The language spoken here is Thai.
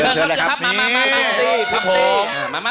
เชิญเลยครับมา